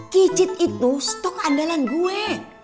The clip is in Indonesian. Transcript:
kicit itu stok andalan gue